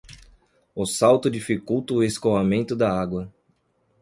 O asfalto dificulta o escoamento da água.